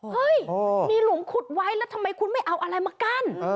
เฮ้ยมีหลุมขุดไว้แล้วทำไมคุณไม่เอาอะไรมากั้น